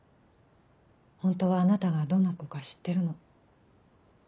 ホントはあなたがどんな子か知ってるの。